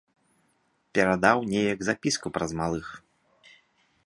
Перадаў неяк запіску праз малых.